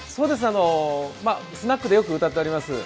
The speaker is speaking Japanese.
スナックでよく歌っております。